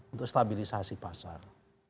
untuk stabilisasi pasar